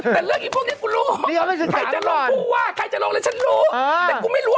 แต่เรื่องไอ้พวกนี้กูรู้